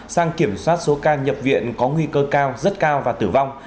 sang kiểm soát số ca nhập viện có nguy cơ cao rất cao và tử vong